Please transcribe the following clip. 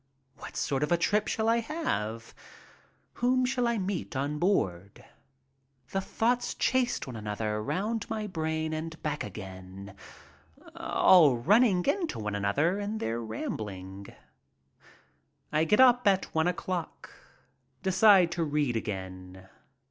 What sort of a trip shall I have ? Whom shall I meet on board ? The thoughts chased one another round my brain and back again, all running into one another in their rambling. I get up at one o'clock. Decide to read again.